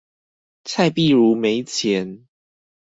蔡璧如沒錢